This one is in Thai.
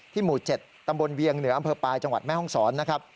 หมู่๗ตำบลเวียงเหนืออำเภอปลายจังหวัดแม่ห้องศรนะครับ